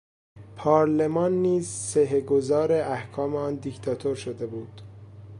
پارلمان نیز صحه گذار احکام آن دیکتاتور شده بود.